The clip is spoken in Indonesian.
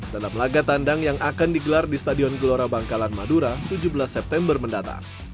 dalam laga tandang yang akan digelar di stadion gelora bangkalan madura tujuh belas september mendatang